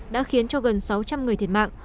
đã khiến cho gần sáu trăm linh người thiệt mạng